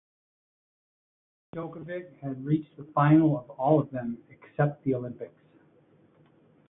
Djokovic has reached the final of all of them except the Olympics.